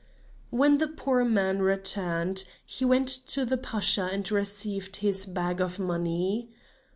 When the poor man returned, he went to the Pasha and received his bag of money.